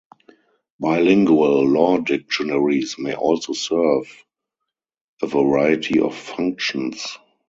Bilingual law dictionaries may also serve a variety of functions.